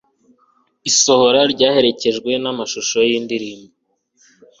Isohora ryaherekejwe namashusho yindirimbo